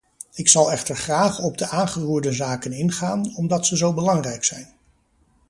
Ik zal echter graag op de aangeroerde zaken ingaan, omdat ze zo belangrijk zijn.